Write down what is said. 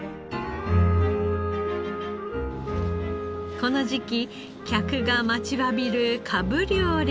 この時期客が待ちわびるかぶ料理が。